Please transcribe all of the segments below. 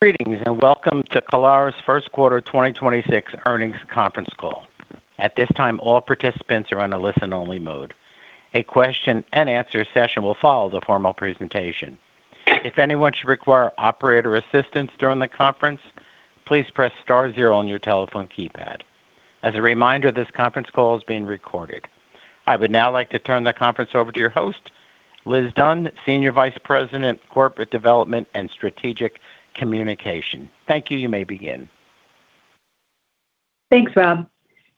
Greetings, and welcome to Caleres' first quarter 2026 earnings conference call. At this time, all participants are on a listen-only mode. A question and answer session will follow the formal presentation. If anyone should require operator assistance during the conference, please press star zero on your telephone keypad. As a reminder, this conference call is being recorded. I would now like to turn the conference over to your host, Liz Dunn, Senior Vice President, Corporate Development and Strategic Communication. Thank you. You may begin. Thanks, Rob.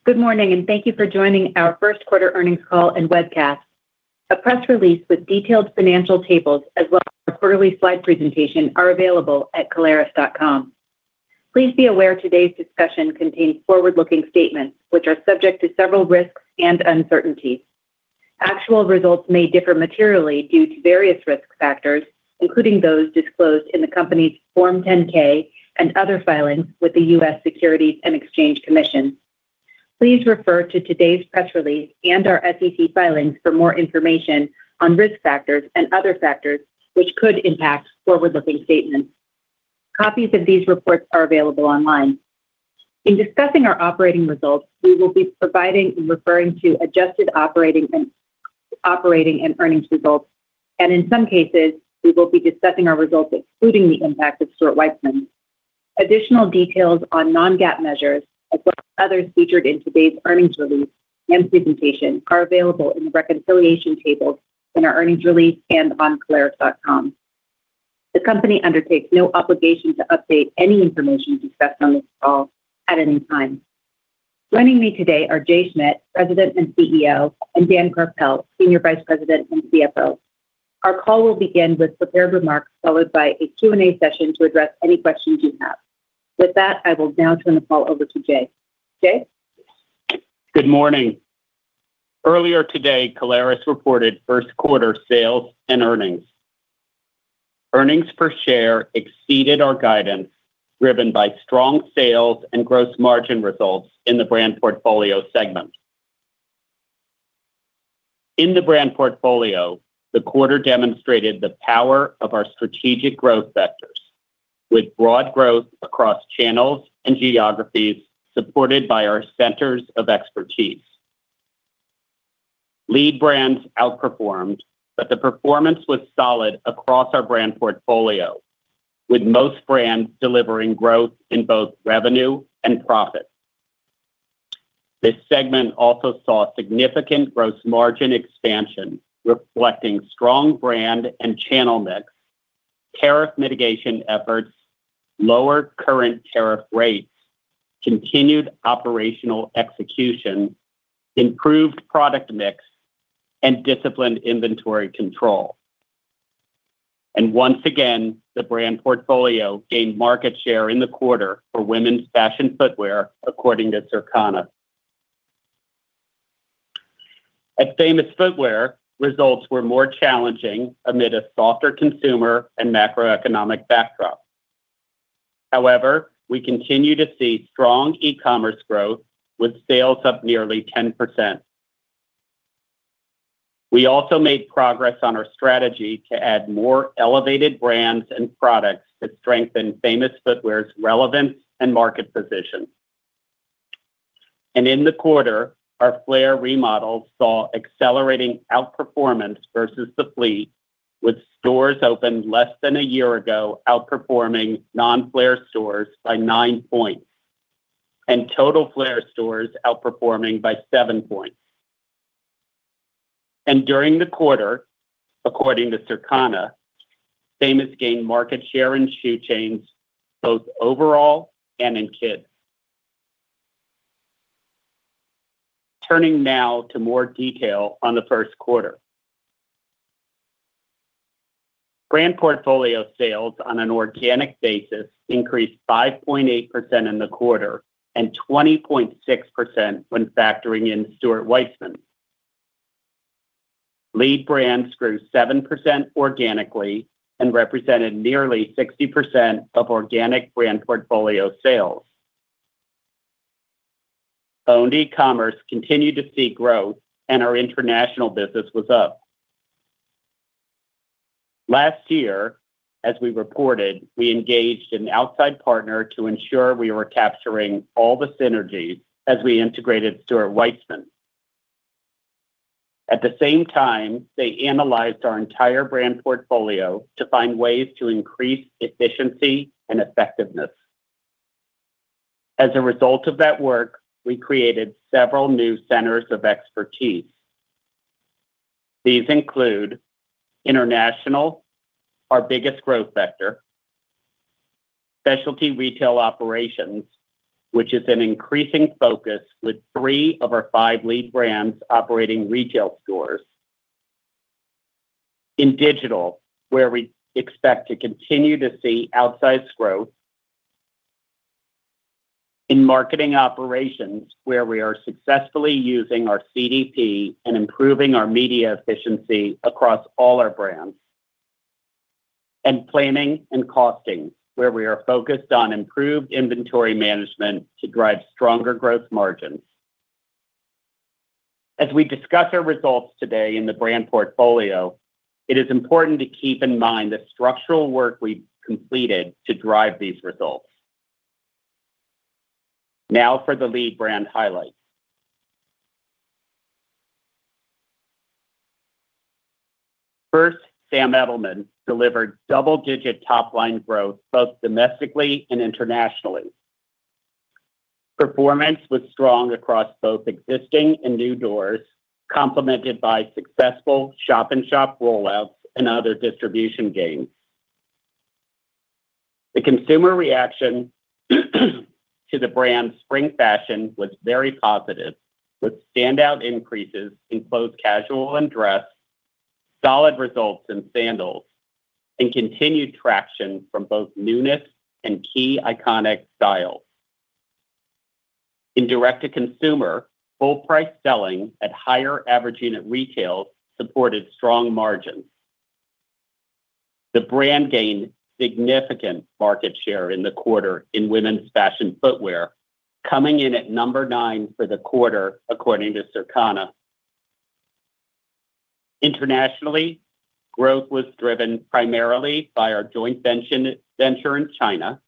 Good morning, and thank you for joining our first quarter earnings call and webcast. A press release with detailed financial tables as well as a quarterly slide presentation are available at caleres.com. Please be aware today's discussion contains forward-looking statements, which are subject to several risks and uncertainties. Actual results may differ materially due to various risk factors, including those disclosed in the company's Form 10-K and other filings with the U.S. Securities and Exchange Commission. Please refer to today's press release and our SEC filings for more information on risk factors and other factors which could impact forward-looking statements. Copies of these reports are available online. In discussing our operating results, we will be providing and referring to adjusted operating and earnings results, and in some cases, we will be discussing our results excluding the impact of Stuart Weitzman. Additional details on non-GAAP measures, as well as others featured in today's earnings release and presentation, are available in the reconciliation table in our earnings release and on caleres.com. The company undertakes no obligation to update any information discussed on this call at any time. Joining me today are Jay Schmidt, President and CEO, and Dan Karpel, Senior Vice President and CFO. Our call will begin with prepared remarks, followed by a Q&A session to address any questions you have. With that, I will now turn the call over to Jay. Jay? Good morning. Earlier today, Caleres reported first quarter sales and earnings. Earnings per share exceeded our guidance, driven by strong sales and gross margin results in the brand portfolio segment. In the brand portfolio, the quarter demonstrated the power of our strategic growth vectors with broad growth across channels and geographies supported by our centers of expertise. Lead brands outperformed, but the performance was solid across our brand portfolio, with most brands delivering growth in both revenue and profit. This segment also saw significant gross margin expansion, reflecting strong brand and channel mix, tariff mitigation efforts, lower current tariff rates, continued operational execution, improved product mix, and disciplined inventory control. Once again, the brand portfolio gained market share in the quarter for women's fashion footwear, according to Circana. At Famous Footwear, results were more challenging amid a softer consumer and macroeconomic backdrop. We continue to see strong e-commerce growth, with sales up nearly 10%. We also made progress on our strategy to add more elevated brands and products to strengthen Famous Footwear's relevance and market position. In the quarter, our Flair remodel saw accelerating outperformance versus the fleet, with stores opened less than a year ago outperforming non-Flair stores by nine points, and total Flair stores outperforming by seven points. During the quarter, according to Circana, Famous gained market share in shoe chains both overall and in kids. Turning now to more detail on the first quarter. Brand portfolio sales on an organic basis increased 5.8% in the quarter and 20.6% when factoring in Stuart Weitzman. Lead brands grew 7% organically and represented nearly 60% of organic brand portfolio sales. Owned e-commerce continued to see growth, and our international business was up. Last year, as we reported, we engaged an outside partner to ensure we were capturing all the synergies as we integrated Stuart Weitzman. At the same time, they analyzed our entire brand portfolio to find ways to increase efficiency and effectiveness. As a result of that work, we created several new centers of expertise. These include international, our biggest growth vector, specialty retail operations, which is an increasing focus with three of our five lead brands operating retail stores, in digital, where we expect to continue to see outsized growth, in marketing operations, where we are successfully using our CDP and improving our media efficiency across all our brands, and planning and costing, where we are focused on improved inventory management to drive stronger gross margins. As we discuss our results today in the brand portfolio, it is important to keep in mind the structural work we've completed to drive these results. Now for the lead brand highlights. First, Sam Edelman delivered double-digit top-line growth both domestically and internationally. Performance was strong across both existing and new doors, complemented by successful shop-in-shop rollouts and other distribution gains. The consumer reaction to the brand's spring fashion was very positive, with standout increases in both casual and dress, solid results in sandals, and continued traction from both newness and key iconic styles. In direct-to-consumer, full price selling at higher average unit retail supported strong margins. The brand gained significant market share in the quarter in women's fashion footwear, coming in at number nine for the quarter, according to Circana. Internationally, growth was driven primarily by our joint venture in China,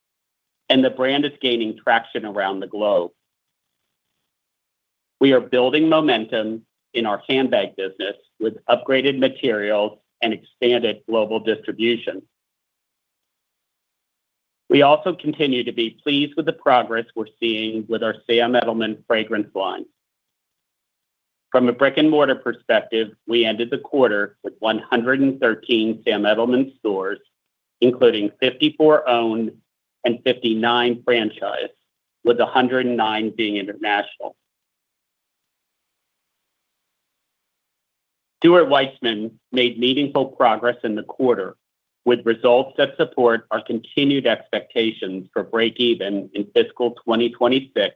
and the brand is gaining traction around the globe. We are building momentum in our handbag business with upgraded materials and expanded global distribution. We also continue to be pleased with the progress we're seeing with our Sam Edelman fragrance line. From a brick-and-mortar perspective, we ended the quarter with 113 Sam Edelman stores, including 54 owned and 59 franchise, with 109 being international. Stuart Weitzman made meaningful progress in the quarter, with results that support our continued expectations for breakeven in fiscal 2026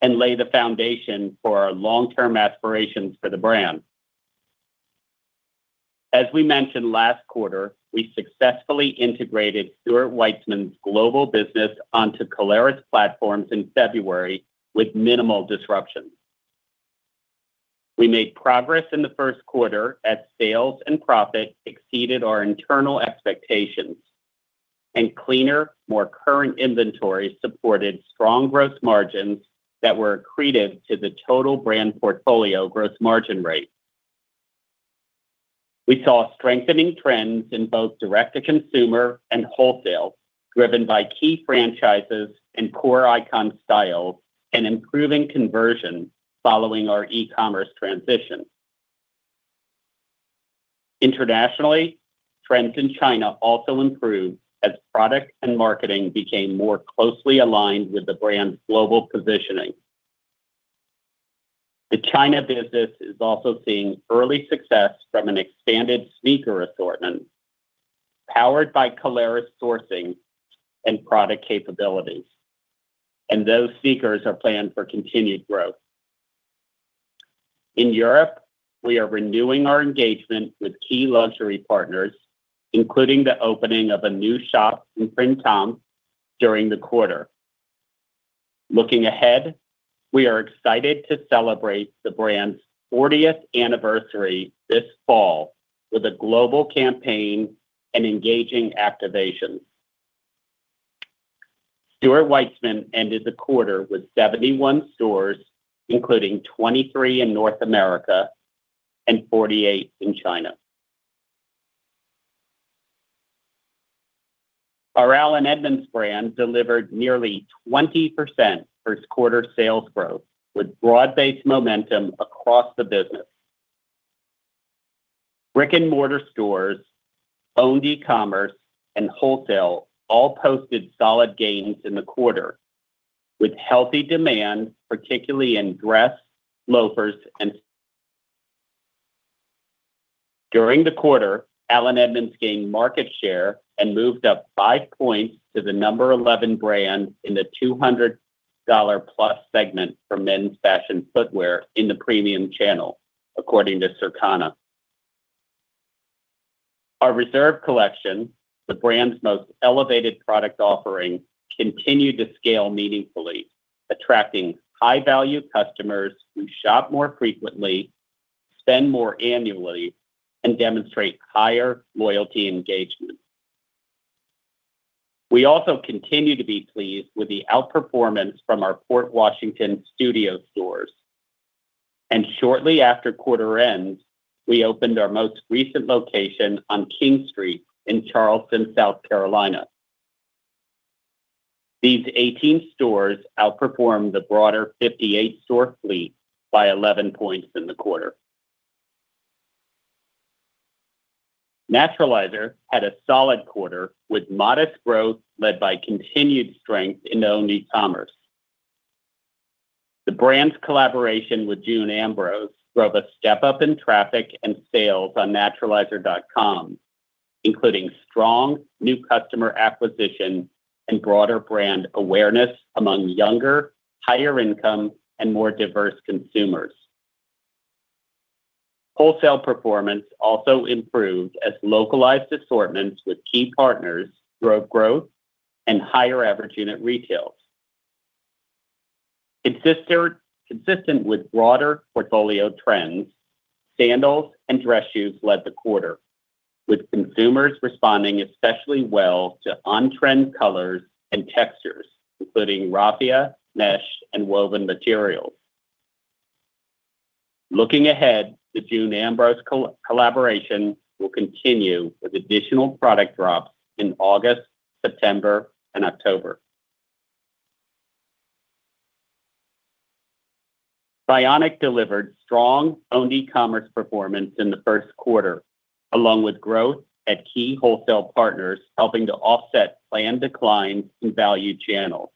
and lay the foundation for our long-term aspirations for the brand. As we mentioned last quarter, we successfully integrated Stuart Weitzman's global business onto Caleres platforms in February with minimal disruption. We made progress in the first quarter as sales and profit exceeded our internal expectations, and cleaner, more current inventory supported strong gross margins that were accretive to the total brand portfolio gross margin rate. We saw strengthening trends in both direct-to-consumer and wholesale, driven by key franchises and core icon styles, and improving conversion following our e-commerce transition. Internationally, trends in China also improved as product and marketing became more closely aligned with the brand's global positioning. The China business is also seeing early success from an expanded sneaker assortment, powered by Caleres' sourcing and product capabilities. Those sneakers are planned for continued growth. In Europe, we are renewing our engagement with key luxury partners, including the opening of a new shop in Printemps during the quarter. Looking ahead, we are excited to celebrate the brand's 40th anniversary this fall with a global campaign and engaging activations. Stuart Weitzman ended the quarter with 71 stores, including 23 in North America and 48 in China. Our Allen Edmonds brand delivered nearly 20% first quarter sales growth, with broad-based momentum across the business. Brick-and-mortar stores, owned e-commerce, and wholesale all posted solid gains in the quarter, with healthy demand, particularly in dress, loafers, and. During the quarter, Allen Edmonds gained market share and moved up five points to the number 11 brand in the $200+ segment for men's fashion footwear in the premium channel, according to Circana. Our Reserve collection, the brand's most elevated product offering, continued to scale meaningfully, attracting high-value customers who shop more frequently, spend more annually, and demonstrate higher loyalty engagement. We also continue to be pleased with the outperformance from our Port Washington studio stores, and shortly after quarter end, we opened our most recent location on King Street in Charleston, South Carolina. These 18 stores outperformed the broader 58-store fleet by 11 points in the quarter. Naturalizer had a solid quarter with modest growth led by continued strength in owned e-commerce. The brand's collaboration with June Ambrose drove a step-up in traffic and sales on naturalizer.com, including strong new customer acquisition and broader brand awareness among younger, higher income, and more diverse consumers. Wholesale performance also improved as localized assortments with key partners drove growth and higher average unit retails. Consistent with broader portfolio trends, sandals and dress shoes led the quarter, with consumers responding especially well to on-trend colors and textures, including raffia, mesh, and woven materials. Looking ahead, the June Ambrose collaboration will continue with additional product drops in August, September, and October. Vionic delivered strong owned e-commerce performance in the first quarter, along with growth at key wholesale partners, helping to offset planned declines in value channels.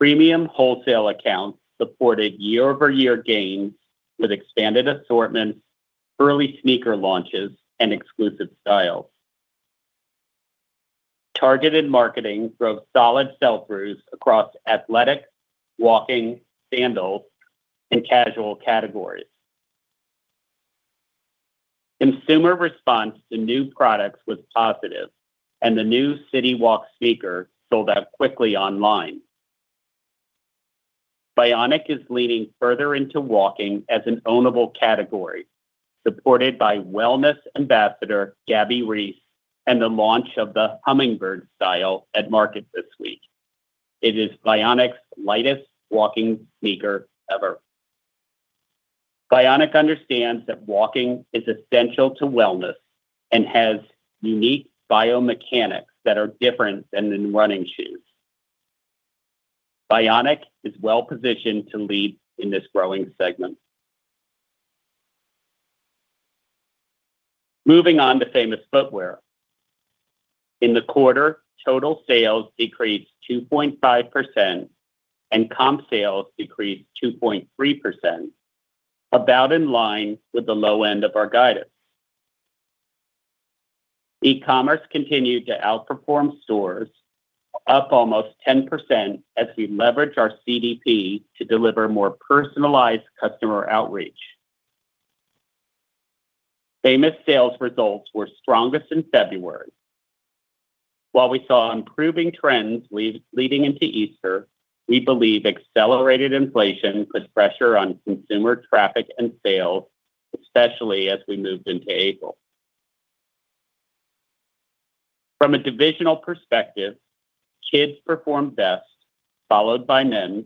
Premium wholesale accounts supported year-over-year gains with expanded assortments, early sneaker launches, and exclusive styles. Targeted marketing drove solid sell-throughs across athletic, walking, sandals, and casual categories. Consumer response to new products was positive, and the new City Walk sneaker sold out quickly online. Vionic is leaning further into walking as an ownable category, supported by wellness ambassador Gabby Reece and the launch of the Hummingbird style at market this week. It is Vionic's lightest walking sneaker ever. Vionic understands that walking is essential to wellness and has unique biomechanics that are different than in running shoes. Vionic is well positioned to lead in this growing segment. Moving on to Famous Footwear. In the quarter, total sales decreased 2.5% and comp sales decreased 2.3%, about in line with the low end of our guidance. E-commerce continued to outperform stores, up almost 10% as we leverage our CDP to deliver more personalized customer outreach. Famous sales results were strongest in February. While we saw improving trends leading into Easter, we believe accelerated inflation put pressure on consumer traffic and sales, especially as we moved into April. From a divisional perspective, kids performed best, followed by men,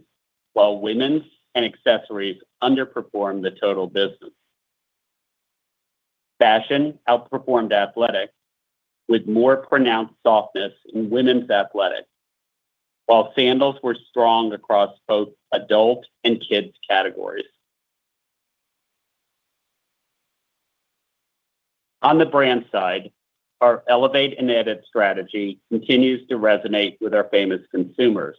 while women's and accessories underperformed the total business. Fashion outperformed athletic with more pronounced softness in women's athletic, while sandals were strong across both adult and kids categories. On the brand side, our elevate and edit strategy continues to resonate with our Famous consumers.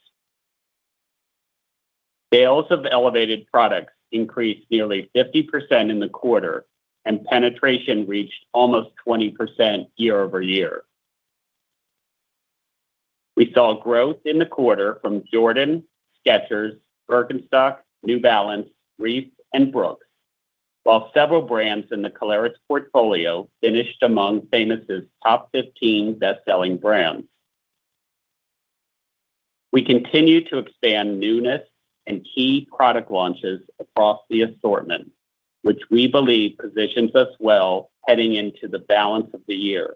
Sales of elevated products increased nearly 50% in the quarter, and penetration reached almost 20% year-over-year. We saw growth in the quarter from Jordan, Skechers, Birkenstock, New Balance, Reef, and Brooks, while several brands in the Caleres portfolio finished among Famous' top 15 best-selling brands. We continue to expand newness and key product launches across the assortment, which we believe positions us well heading into the balance of the year.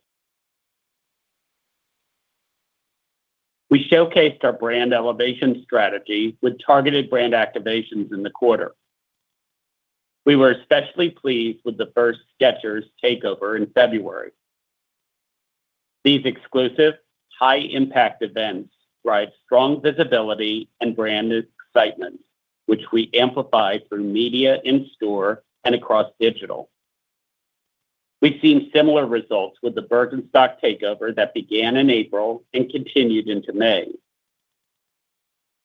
We showcased our brand elevation strategy with targeted brand activations in the quarter. We were especially pleased with the first Skechers takeover in February. These exclusive, high-impact events drive strong visibility and brand excitement, which we amplify through media in store and across digital. We've seen similar results with the Birkenstock takeover that began in April and continued into May.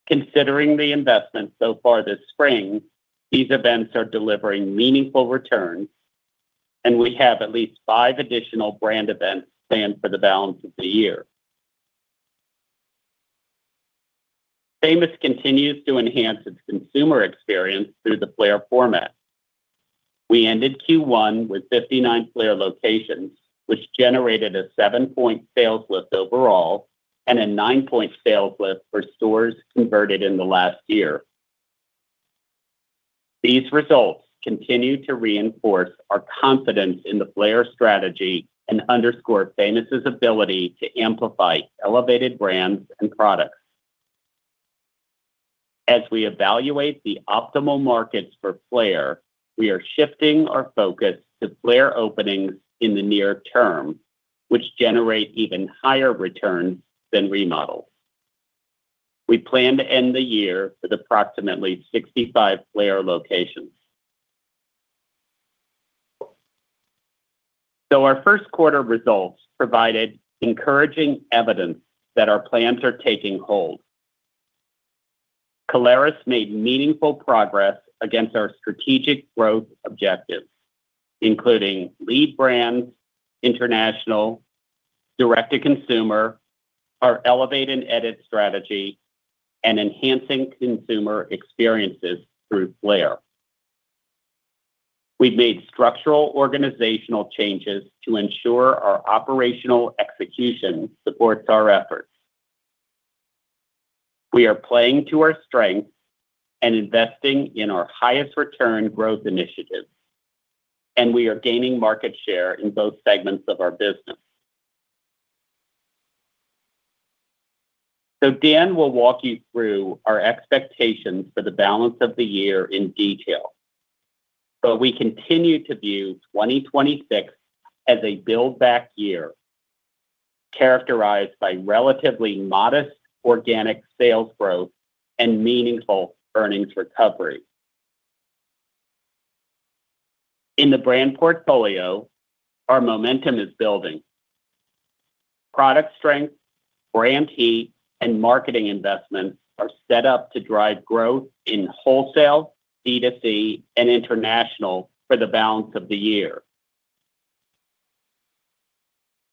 Considering the investment so far this spring, these events are delivering meaningful returns, and we have at least five additional brand events planned for the balance of the year. Famous continues to enhance its consumer experience through the Flair format. We ended Q1 with 59 Flair locations, which generated a seven-point sales lift overall and a nine-point sales lift for stores converted in the last year. These results continue to reinforce our confidence in the Flair strategy and underscore Famous' ability to amplify elevated brands and products. As we evaluate the optimal markets for Flair, we are shifting our focus to Flair openings in the near term, which generate even higher returns than remodels. We plan to end the year with approximately 65 Flair locations. Our first quarter results provided encouraging evidence that our plans are taking hold. Caleres made meaningful progress against our strategic growth objectives, including lead brands, international direct-to-consumer, our elevate and edit strategy, and enhancing consumer experiences through Flair. We've made structural organizational changes to ensure our operational execution supports our efforts. We are playing to our strengths and investing in our highest return growth initiatives, and we are gaining market share in both segments of our business. Dan will walk you through our expectations for the balance of the year in detail. We continue to view 2026 as a build-back year characterized by relatively modest organic sales growth and meaningful earnings recovery. In the brand portfolio, our momentum is building. Product strength, brand heat, and marketing investments are set up to drive growth in wholesale, D2C, and international for the balance of the year.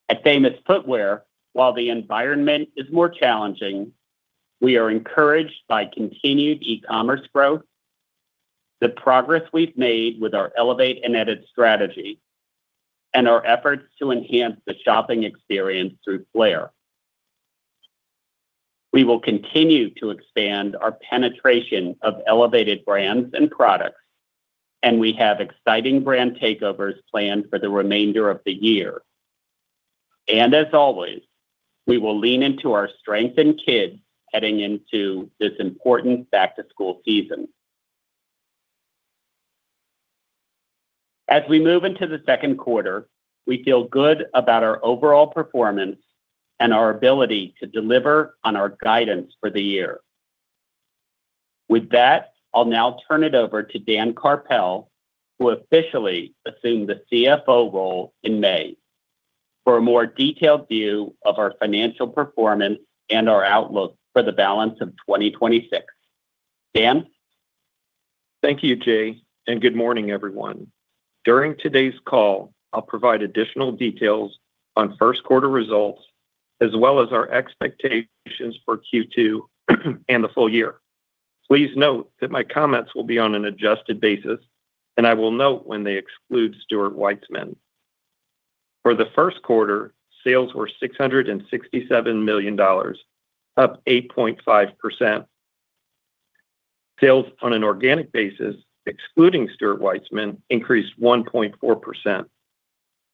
At Famous Footwear, while the environment is more challenging, we are encouraged by continued e-commerce growth, the progress we've made with our elevate and edit strategy, and our efforts to enhance the shopping experience through Flair. We will continue to expand our penetration of elevated brands and products. We have exciting brand takeovers planned for the remainder of the year. As always, we will lean into our strength in kids heading into this important back-to-school season. As we move into the second quarter, we feel good about our overall performance and our ability to deliver on our guidance for the year. With that, I'll now turn it over to Dan Karpel, who officially assumed the CFO role in May, for a more detailed view of our financial performance and our outlook for the balance of 2026. Dan? Thank you, Jay, and good morning, everyone. During today's call, I will provide additional details on first quarter results as well as our expectations for Q2 and the full year. Please note that my comments will be on an adjusted basis, and I will note when they exclude Stuart Weitzman. For the first quarter, sales were $667 million, up 8.5%. Sales on an organic basis, excluding Stuart Weitzman, increased 1.4%.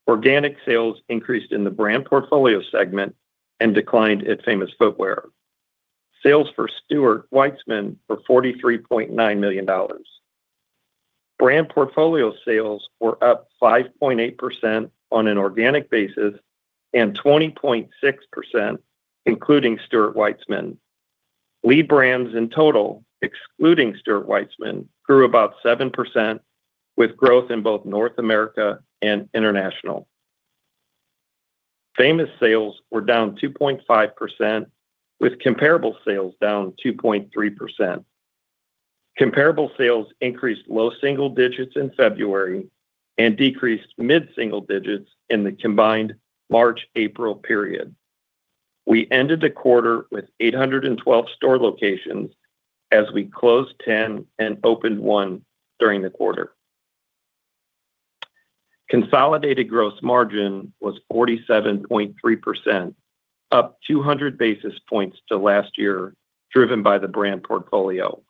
Organic sales increased in the Brand Portfolio segment and declined at Famous Footwear. Sales for Stuart Weitzman were $43.9 million. Brand Portfolio sales were up 5.8% on an organic basis and 20.6% including Stuart Weitzman. Lead brands in total, excluding Stuart Weitzman, grew about 7% with growth in both North America and international. Famous sales were down 2.5% with comparable sales down 2.3%. Comparable sales increased low single digits in February and decreased mid-single digits in the combined March, April period. We ended the quarter with 812 store locations as we closed 10 and opened one during the quarter. Consolidated gross margin was 47.3%, up 200 basis points to last year, driven by the brand portfolio.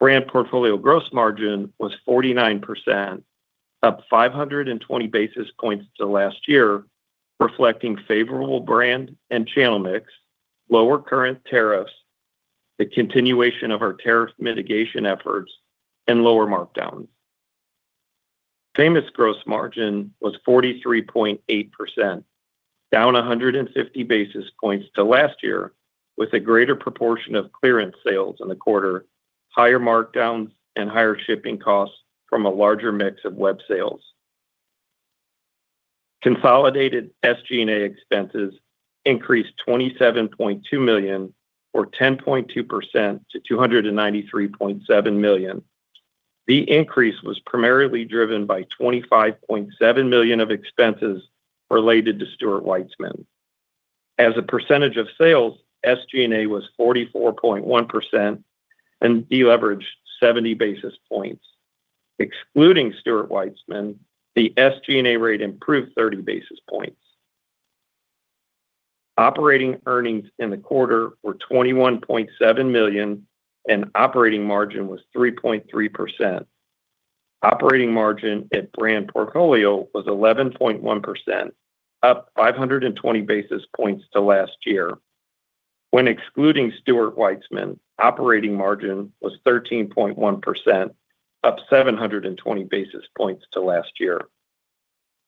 Brand portfolio gross margin was 49%, up 520 basis points to last year, reflecting favorable brand and channel mix, lower current tariffs, the continuation of our tariff mitigation efforts, and lower markdowns. Famous gross margin was 43.8%, down 150 basis points to last year, with a greater proportion of clearance sales in the quarter, higher markdowns, and higher shipping costs from a larger mix of web sales. Consolidated SG&A expenses increased $27.2 million, or 10.2% to $293.7 million. The increase was primarily driven by $25.7 million of expenses related to Stuart Weitzman. As a percentage of sales, SG&A was 44.1% and deleveraged 70 basis points. Excluding Stuart Weitzman, the SG&A rate improved 30 basis points. Operating earnings in the quarter were $21.7 million, and operating margin was 3.3%. Operating margin at brand portfolio was 11.1%, up 520 basis points to last year. When excluding Stuart Weitzman, operating margin was 13.1%, up 720 basis points to last year.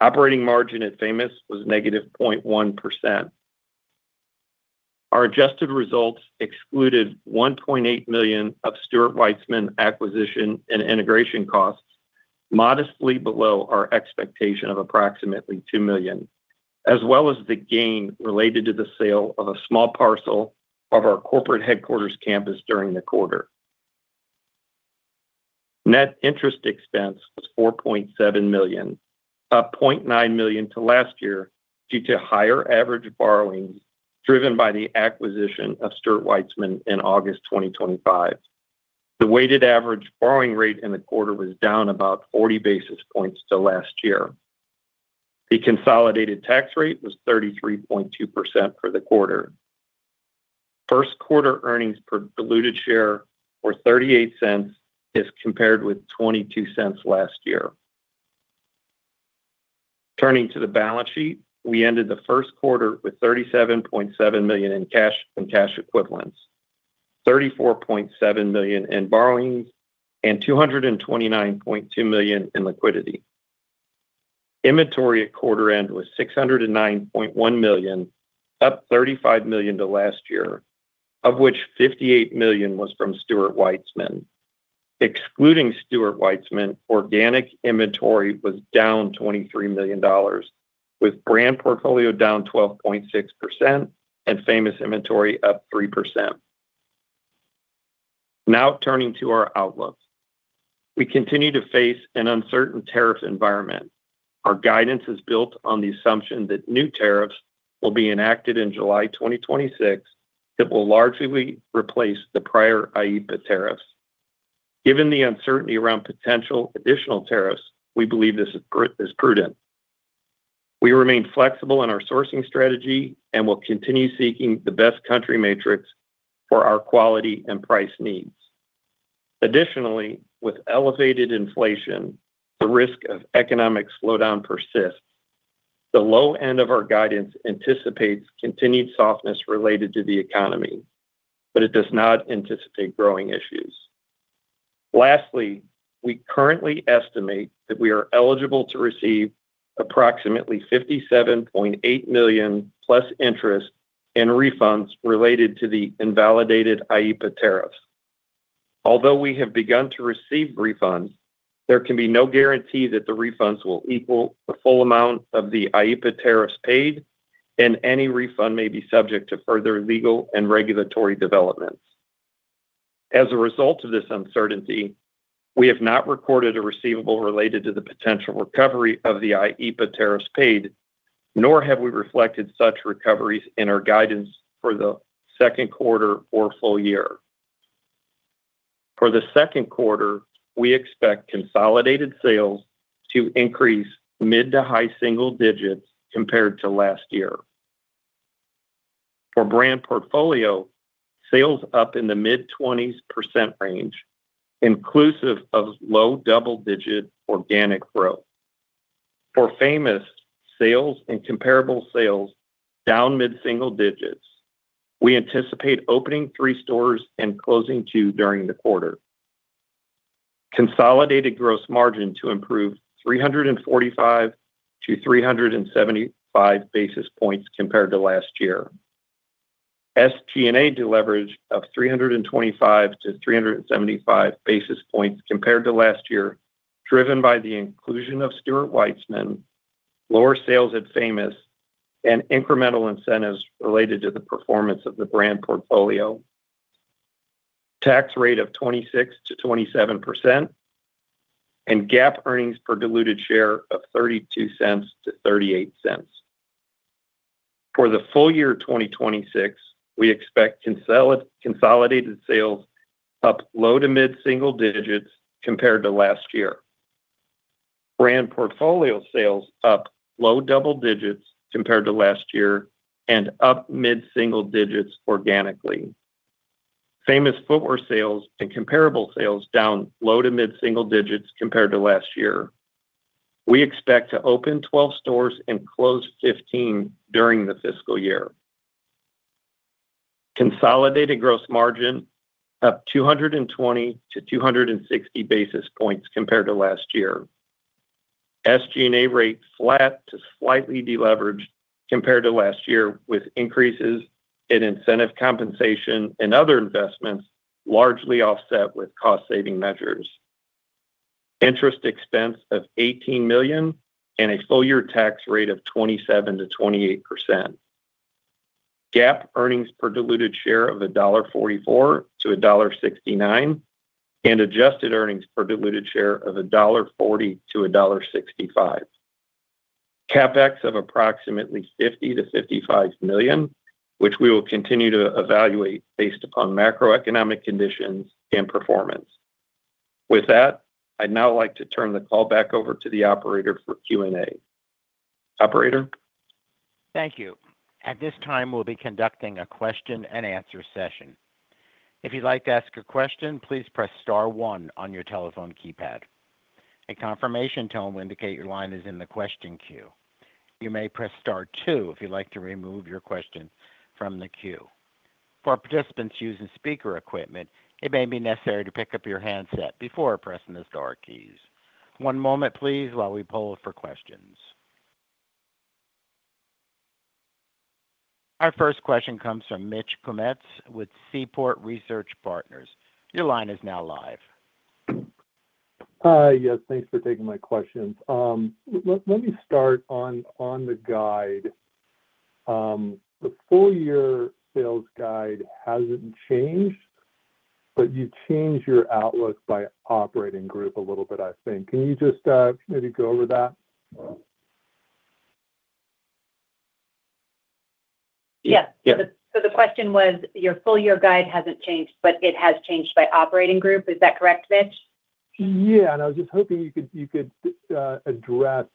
Operating margin at Famous was -0.1%. Our adjusted results excluded $1.8 million of Stuart Weitzman acquisition and integration costs, modestly below our expectation of approximately $2 million, as well as the gain related to the sale of a small parcel of our corporate headquarters campus during the quarter. Net interest expense was $4.7 million, up $0.9 million to last year due to higher average borrowings driven by the acquisition of Stuart Weitzman in August 2025. The weighted average borrowing rate in the quarter was down about 40 basis points to last year. The consolidated tax rate was 33.2% for the quarter. First quarter earnings per diluted share were $0.38 as compared with $0.22 last year. Turning to the balance sheet, we ended the first quarter with $37.7 million in cash and cash equivalents, $34.7 million in borrowings, and $229.2 million in liquidity. Inventory at quarter end was $609.1 million, up $35 million to last year, of which $58 million was from Stuart Weitzman. Excluding Stuart Weitzman, organic inventory was down $23 million, with brand portfolio down 12.6% and Famous inventory up 3%. Turning to our outlook. We continue to face an uncertain tariff environment. Our guidance is built on the assumption that new tariffs will be enacted in July 2026 that will largely replace the prior IEPA tariffs. Given the uncertainty around potential additional tariffs, we believe this is prudent. We remain flexible in our sourcing strategy and will continue seeking the best country matrix for our quality and price needs. Additionally, with elevated inflation, the risk of economic slowdown persists. The low end of our guidance anticipates continued softness related to the economy, but it does not anticipate growing issues. Lastly, we currently estimate that we are eligible to receive approximately $57.8 million plus interest in refunds related to the invalidated IEPA tariffs. Although we have begun to receive refunds, there can be no guarantee that the refunds will equal the full amount of the IEPA tariffs paid, and any refund may be subject to further legal and regulatory developments. As a result of this uncertainty, we have not recorded a receivable related to the potential recovery of the IEPA tariffs paid, nor have we reflected such recoveries in our guidance for the second quarter or full year. For the second quarter, we expect consolidated sales to increase mid to high single digits compared to last year. For brand portfolio, sales up in the mid-20s% range, inclusive of low double-digit organic growth. For Famous sales and comparable sales, down mid-single digits. We anticipate opening three stores and closing two during the quarter. Consolidated gross margin to improve 345 basis points-375 basis points compared to last year. SG&A deleverage of 325 basis points-375 basis points compared to last year, driven by the inclusion of Stuart Weitzman, lower sales at Famous, and incremental incentives related to the performance of the brand portfolio. Tax rate of 26%-27%, and GAAP earnings per diluted share of $0.32-$0.38. For the full year 2026, we expect consolidated sales up low to mid-single digits compared to last year. Brand portfolio sales up low double digits compared to last year and up mid-single digits organically. Famous Footwear sales and comparable sales down low to mid-single digits compared to last year. We expect to open 12 stores and close 15 during the fiscal year. Consolidated gross margin up 220 basis points-260 basis points compared to last year. SG&A rate flat to slightly deleveraged compared to last year, with increases in incentive compensation and other investments largely offset with cost-saving measures. Interest expense of $18 million and a full-year tax rate of 27%-28%. GAAP earnings per diluted share of $1.44-$1.69 and adjusted earnings per diluted share of $1.40-$1.65. CapEx of approximately $50 million-$55 million, which we will continue to evaluate based upon macroeconomic conditions and performance. With that, I'd now like to turn the call back over to the operator for Q&A. Operator? Thank you. At this time, we'll be conducting a question and answer session. If you'd like to ask a question, please press star one on your telephone keypad. A confirmation tone will indicate your line is in the question queue. You may press star two if you'd like to remove your question from the queue. For participants using speaker equipment, it may be necessary to pick up your handset before pressing the star keys. One moment, please, while we poll for questions. Our first question comes from Mitch Kummetz with Seaport Research Partners. Your line is now live. Hi. Yes, thanks for taking my questions. Let me start on the guide. The full-year sales guide hasn't changed, but you changed your outlook by operating group a little bit, I think. Can you just maybe go over that? Yes. Yeah. The question was, your full-year guide hasn't changed, but it has changed by operating group. Is that correct, Mitch? I was just hoping you could address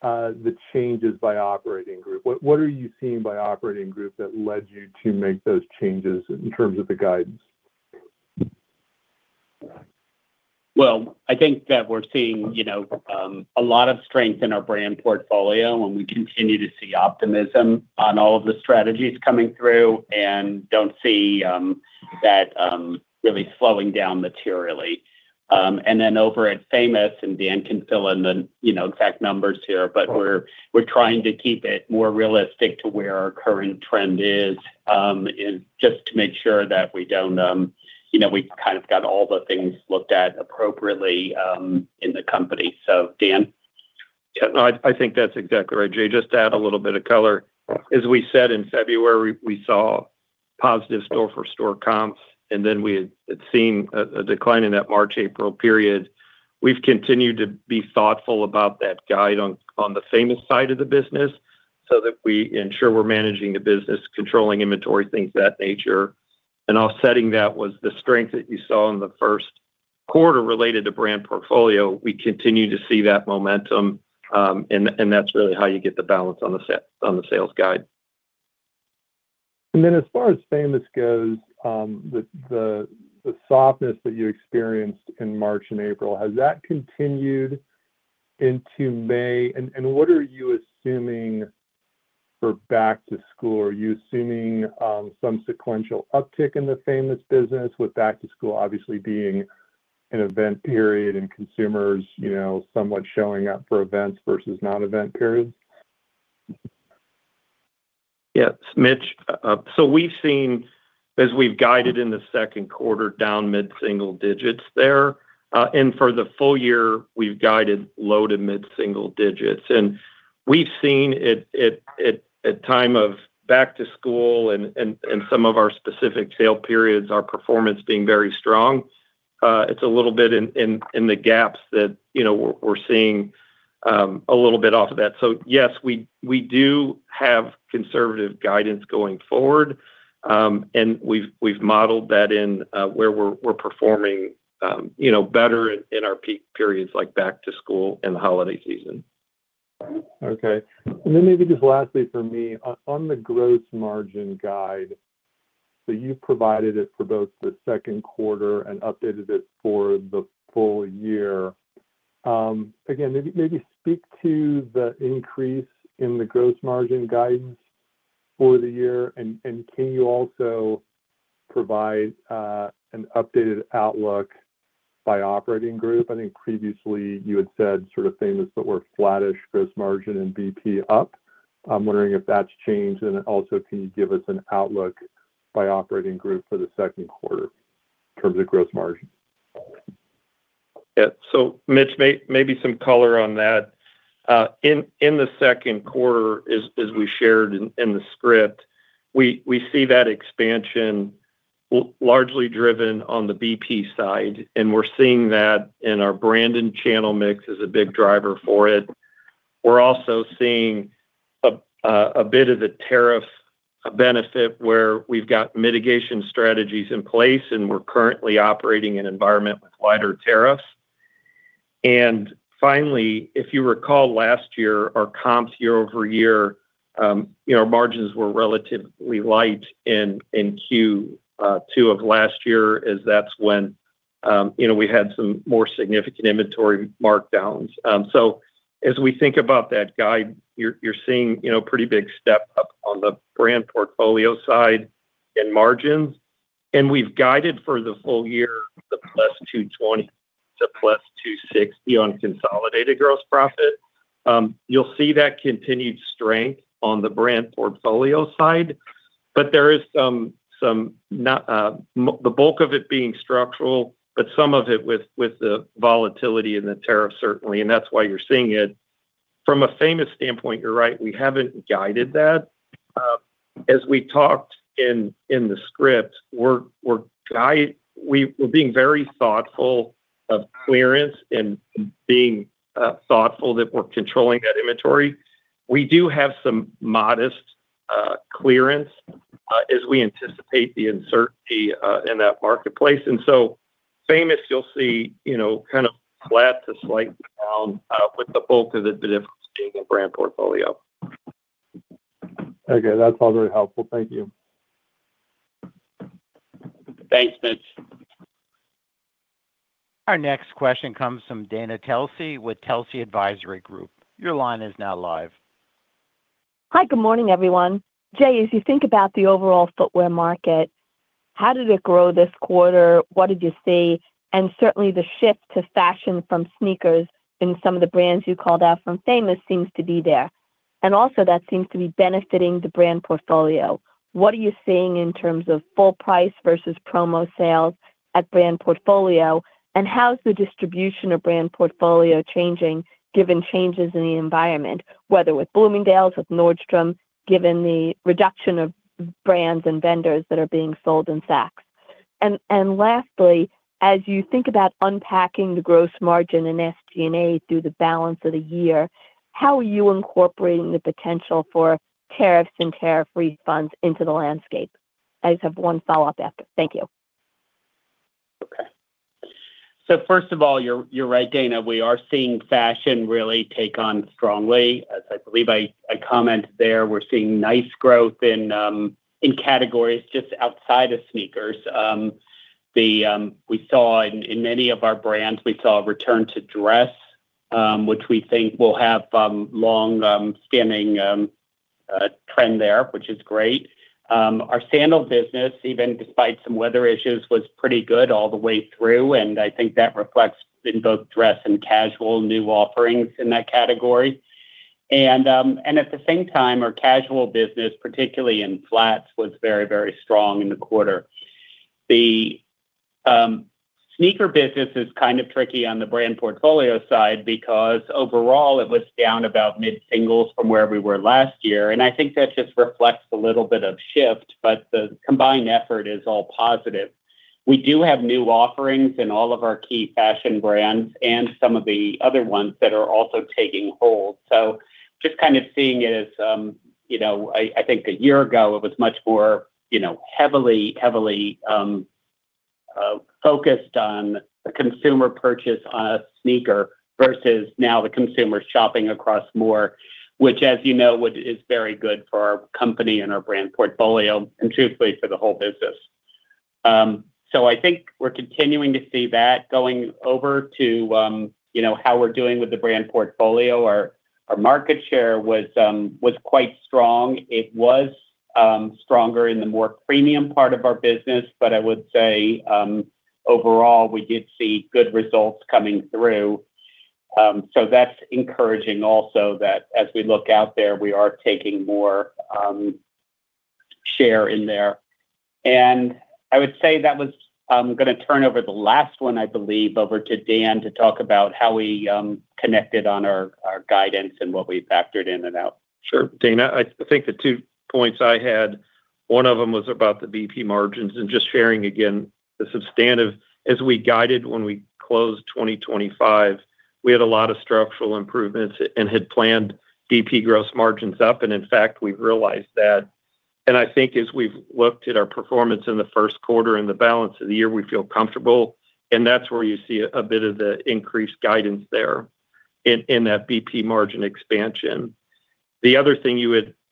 the changes by operating group. What are you seeing by operating group that led you to make those changes in terms of the guidance? I think that we're seeing a lot of strength in our brand portfolio, and we continue to see optimism on all of the strategies coming through and don't see that really slowing down materially. Over at Famous, and Dan can fill in the exact numbers here, but we're trying to keep it more realistic to where our current trend is, just to make sure that we've kind of got all the things looked at appropriately in the company. Dan? Yeah, no, I think that's exactly right, Jay. Just to add a little bit of color. As we said, in February, we saw positive store for store comps, and then we had seen a decline in that March, April period. We've continued to be thoughtful about that guide on the Famous side of the business so that we ensure we're managing the business, controlling inventory, things of that nature. Offsetting that was the strength that you saw in the first quarter related to brand portfolio. We continue to see that momentum. That's really how you get the balance on the sales guide. As far as Famous goes, the softness that you experienced in March and April, has that continued into May? What are you assuming for back to school? Are you assuming some sequential uptick in the Famous business with back to school obviously being an event period and consumers somewhat showing up for events versus non-event periods? Yes, Mitch. We've seen as we've guided in the second quarter down mid-single digits there. For the full year, we've guided low to mid-single digits. We've seen at time of back to school and some of our specific sale periods, our performance being very strong. It's a little bit in the gaps that we're seeing a little bit off of that. Yes, we do have conservative guidance going forward. We've modeled that in where we're performing better in our peak periods, like back to school and the holiday season. Okay. Then maybe just lastly from me, on the gross margin guide, so you've provided it for both the second quarter and updated it for the full year. Maybe speak to the increase in the gross margin guidance for the year and can you also provide an updated outlook by operating group? I think previously you had said sort of Famous that were flattish gross margin and BP up. I'm wondering if that's changed and also can you give us an outlook by operating group for the second quarter in terms of gross margin? Yeah. Mitch, maybe some color on that. In the second quarter, as we shared in the script, we see that expansion largely driven on the BP side, and we're seeing that in our brand and channel mix is a big driver for it. We're also seeing a bit of the tariff benefit where we've got mitigation strategies in place, and we're currently operating an environment with lighter tariffs. Finally, if you recall last year, our comps year-over-year, our margins were relatively light in Q2 of last year as that's when we had some more significant inventory markdowns. As we think about that guide, you're seeing pretty big step-up on the brand portfolio side in margins. We've guided for the full year the +220 basis points to +260 basis points on consolidated gross profit. You'll see that continued strength on the brand portfolio side, but there is some bulk of it being structural, but some of it with the volatility and the tariff certainly, and that's why you're seeing it. From a Famous standpoint, you're right, we haven't guided that. As we talked in the script, we're being very thoughtful of clearance and being thoughtful that we're controlling that inventory. We do have some modest clearance as we anticipate the uncertainty in that marketplace. Famous you'll see kind of flat to slight down with the bulk of the difference being in brand portfolio. Okay. That's all very helpful. Thank you. Thanks, Mitch. Our next question comes from Dana Telsey with Telsey Advisory Group. Your line is now live. Hi, good morning, everyone. Jay, as you think about the overall footwear market, how did it grow this quarter? What did you see? Certainly the shift to fashion from sneakers in some of the brands you called out from Famous seems to be there. Also that seems to be benefiting the brand portfolio. What are you seeing in terms of full price versus promo sales at brand portfolio? How is the distribution of brand portfolio changing given changes in the environment, whether with Bloomingdale's, with Nordstrom, given the reduction of brands and vendors that are being sold in Saks? Lastly, as you think about unpacking the gross margin and SG&A through the balance of the year, how are you incorporating the potential for tariffs and tariff refunds into the landscape? I just have one follow-up after. Thank you. First of all, you're right, Dana. We are seeing fashion really take on strongly. As I believe I commented there, we're seeing nice growth in categories just outside of sneakers. In many of our brands, we saw a return to dress, which we think will have long-standing trend there, which is great. Our sandal business, even despite some weather issues, was pretty good all the way through, and I think that reflects in both dress and casual new offerings in that category. At the same time, our casual business, particularly in flats, was very strong in the quarter. The sneaker business is kind of tricky on the brand portfolio side because overall it was down about mid-singles from where we were last year, and I think that just reflects a little bit of shift, but the combined effort is all positive. We do have new offerings in all of our key fashion brands and some of the other ones that are also taking hold. Just kind of seeing it as, I think a year ago, it was much more heavily focused on the consumer purchase on a sneaker versus now the consumer shopping across more, which as you know is very good for our company and our brand portfolio and truthfully for the whole business. I think we're continuing to see that. Going over to how we're doing with the brand portfolio, our market share was quite strong. It was stronger in the more premium part of our business, I would say, overall, we did see good results coming through. That's encouraging also that as we look out there, we are taking more share in there. I'm going to turn over the last one, I believe, over to Dan to talk about how we connected on our guidance and what we factored in and out. Sure. Dana, I think the two points I had, one of them was about the BP margins and just sharing again the substantive. We guided when we closed 2025, we had a lot of structural improvements and had planned BP gross margins up. In fact, we've realized that. I think as we've looked at our performance in the first quarter and the balance of the year, we feel comfortable, and that's where you see a bit of the increased guidance there in that BP margin expansion. The other thing,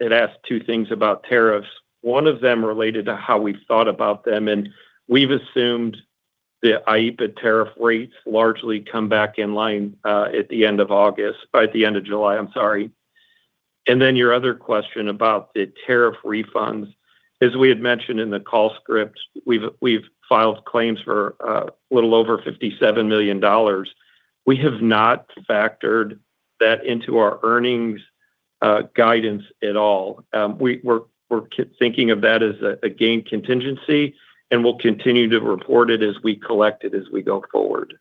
you had asked two things about tariffs. One of them related to how we've thought about them. We've assumed the IEPA tariff rates largely come back in line at the end of July. Your other question about the tariff refunds, as we had mentioned in the call script, we've filed claims for a little over $57 million. We have not factored that into our earnings guidance at all. We're thinking of that as a gain contingency, and we'll continue to report it as we collect it as we go forward.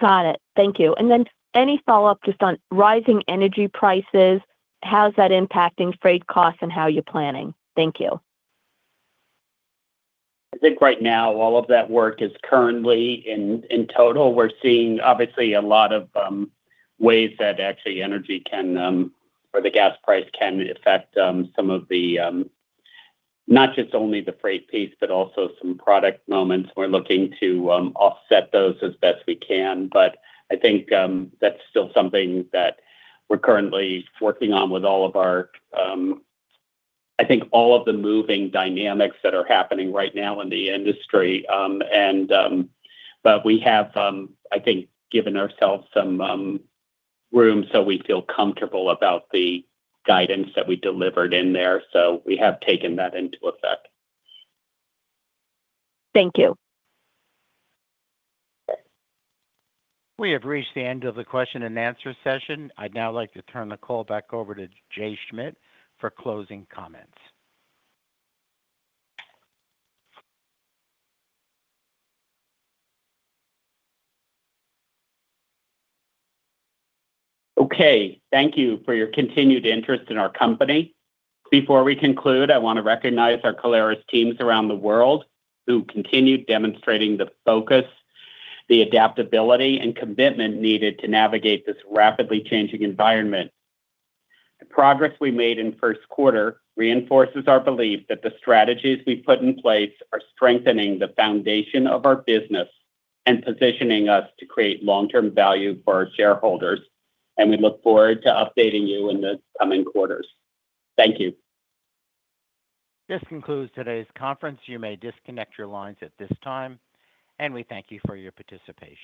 Got it. Thank you. Any follow-up just on rising energy prices, how is that impacting freight costs and how you're planning? Thank you. I think right now all of that work is currently in total. We're seeing obviously a lot of ways that actually energy or the gas price can affect not just only the freight piece, but also some product moments. We're looking to offset those as best we can. I think that's still something that we're currently working on with I think all of the moving dynamics that are happening right now in the industry. We have, I think given ourselves some room so we feel comfortable about the guidance that we delivered in there. We have taken that into effect. Thank you. We have reached the end of the question and answer session. I'd now like to turn the call back over to Jay Schmidt for closing comments. Okay. Thank you for your continued interest in our company. Before we conclude, I want to recognize our Caleres teams around the world who continue demonstrating the focus, the adaptability and commitment needed to navigate this rapidly changing environment. The progress we made in first quarter reinforces our belief that the strategies we put in place are strengthening the foundation of our business and positioning us to create long-term value for our shareholders. We look forward to updating you in the coming quarters. Thank you. This concludes today's conference. You may disconnect your lines at this time, and we thank you for your participation.